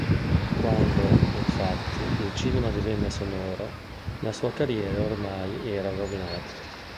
Quando, infatti, il cinema divenne sonoro, la sua carriera ormai era rovinata.